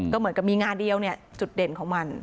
ก็เหมือนกับมีงานเดียวเนี่ยจุดเด่นของมัน